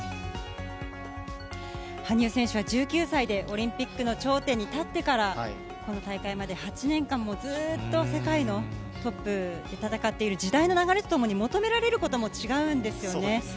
羽生選手は１９歳でオリンピックの頂点に立ってから、この大会まで８年間もずっと世界のトップで戦っている、時代の流れとともに求められることも違うんですよね。